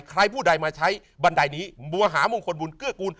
ใครผู้ใดมาใช้บันไดนี้มัวหามงคลบุญเกื้อกูล